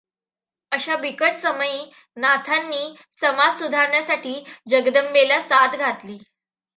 अशा बिकट समयी नाथांनी समाज सुधारण्यासाठी जगदंबेला साद घातली.